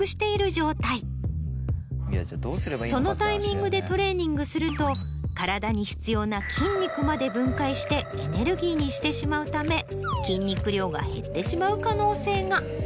そのタイミングでトレーニングすると体に必要な筋肉まで分解してエネルギーにしてしまうため筋肉量が減ってしまう可能性が。